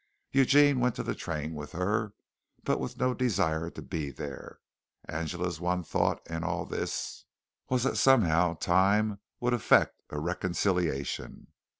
Eugene went to the train with her, but with no desire to be there. Angela's one thought, in all this, was that somehow time would effect a reconciliation.